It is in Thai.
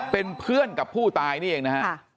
เป็นเพื่อนกับผู้ตายนี่เองนะฮะ